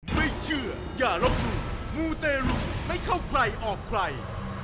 ไม่เชื่ออย่าลบหลู่มูเตรุไม่เข้าใครออกใคร